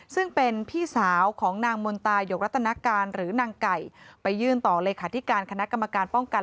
ซึ่งเป็นพี่สาวของนางมนตายกรัตนาการหรือนางไก่ไปยื่นต่อเลขาธิการคณะกรรมการป้องกัน